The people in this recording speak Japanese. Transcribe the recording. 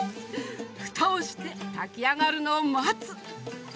ふたをして炊き上がるのを待つ！